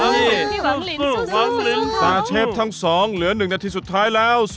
วางลินสู้สาเชฟทั้งสองเหลือหนึ่งนาทีสุดท้ายแล้วสู้